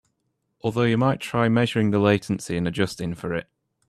Although you might try measuring the latency and adjusting for it.